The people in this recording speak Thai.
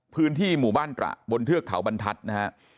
พื้นที่หมู่บ้านตระบนเทือกเขาบรรทัศน์นะฮะ